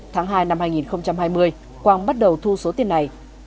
tháng hai năm hai nghìn hai mươi quang bắt đầu thu số tiền này